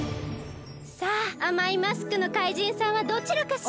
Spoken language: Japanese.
さああまいマスクのかいじんさんはどちらかしら？